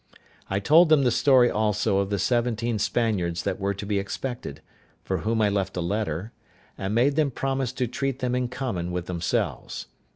I told them the story also of the seventeen Spaniards that were to be expected, for whom I left a letter, and made them promise to treat them in common with themselves.